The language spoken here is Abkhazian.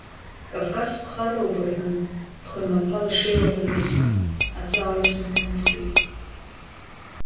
Кавказ ԥхарроуп рҳәан, ԥхын маҭәала ишеилаҳәаз асы, аҵаа рысны иҭанасит.